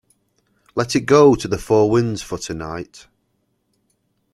Let it go to the four winds for tonight.